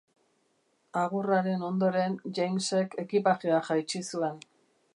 Agurraren ondoren, Jamesek ekipajea jaitsi zuen.